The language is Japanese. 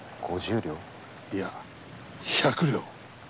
いや百両。